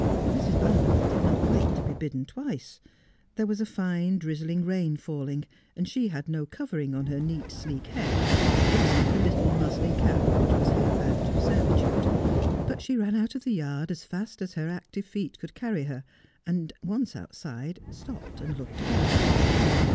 Mrs. Barnard did not wait to be bidden twice. There was a fine drizzling rain falling, and she had no covering on her neat, pleek head, except the little muslin cap which was her badge of servitude ; but she ran out of the yard as fast as her active feet could carry her, and once outside, stopped and looked about her.